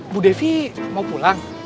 bu devi mau pulang